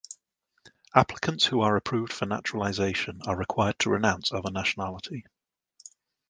Applicants who are approved for naturalisation are required to renounce other nationality.